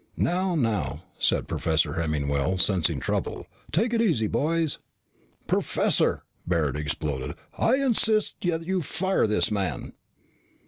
"Now, now," said Professor Hemmingwell, sensing trouble. "Take it easy, boys." "Professor," Barret exploded, "I insist that you fire this man!"